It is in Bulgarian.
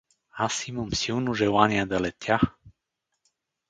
— Аз имам силно желание да летя!